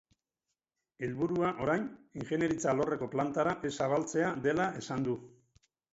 Helburua, orain, ingeniaritza alorreko plantara ez zabaltzea dela esan du.